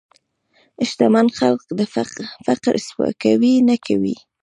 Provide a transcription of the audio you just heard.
شتمن خلک د فقر سپکاوی نه کوي.